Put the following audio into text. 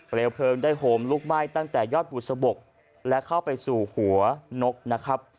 เพลิงได้โหมลุกไหม้ตั้งแต่ยอดบุษบกและเข้าไปสู่หัวนกนะครับ